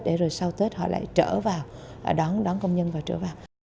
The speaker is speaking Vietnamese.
để rồi sau tết họ lại trở vào đón công nhân và trở vào